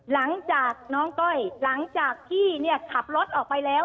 หลังจากน้องก้อยหลังจากที่ขับรถออกไปแล้ว